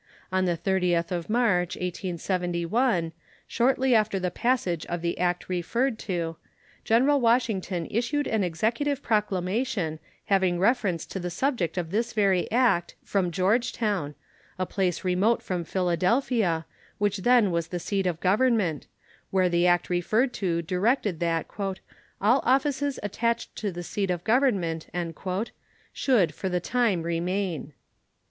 On the 30th of March, 1791, shortly after the passage of the act referred to, General Washington issued an Executive proclamation having reference to the subject of this very act from Georgetown, a place remote from Philadelphia, which then was the seat of Government, where the act referred to directed that "all offices attached to the seat of Government" should for the time remain.